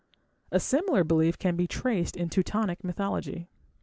A similar belief can be traced in Teutonic mythology.